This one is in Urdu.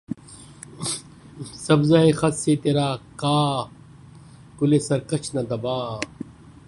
سبزہٴ خط سے ترا کاکلِ سرکش نہ دبا